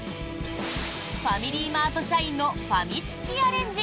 ファミリーマート社員のファミチキアレンジ。